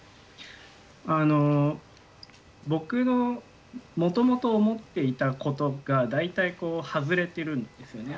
あの僕のもともと思っていたことが大体外れてるんですよね。